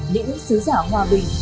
những sứ giả hòa bình